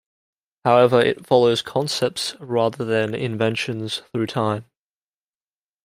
However, it follows concepts rather than inventions through time.